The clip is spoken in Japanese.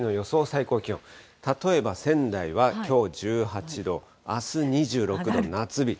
最高気温、例えば仙台はきょう１８度、あす２６度、夏日。